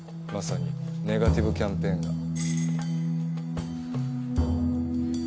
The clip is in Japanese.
まさにネガティブキャンペーンが。